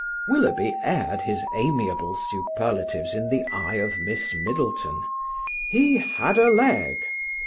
Willoughby aired his amiable superlatives in the eye of Miss Middleton; he had a leg.